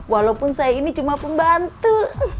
walaupun saya ini cuma pembantu